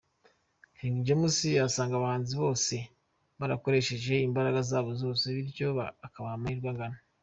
King James asanga abahanzi bose barakoresheje imbaraga zabo zose bityo akabaha amahirwe angana.